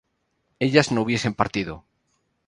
ellas no hubiesen partido